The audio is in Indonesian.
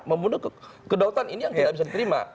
membunuh kedaulatan ini yang tidak bisa di terima